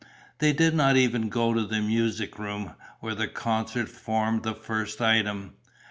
They did not even go to the music room, where a concert formed the first item.